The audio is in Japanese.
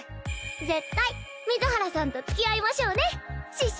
絶対水原さんとつきあいましょうね師匠。